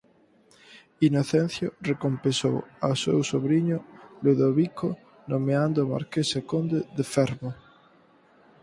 Inocencio recompensou ao seu sobriño Ludovico nomeándoo marqués e conde de Fermo.